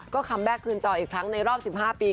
ก็คัมแบ็คคืนจออีกครั้งในรอบ๑๕ปี